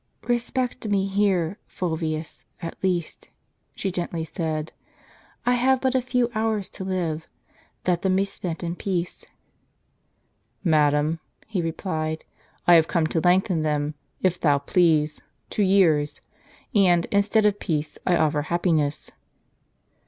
" Respect me here, Fulvius, at least," she gently said ; "I have but a few hours to live : let them be spent in peace." "Madam," he replied, "I have come to lengthen them, if 3^ou please, to years; and, instead of peace, I offer hap piness."